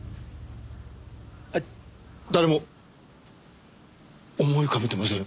誰も思い浮かべてませんよ。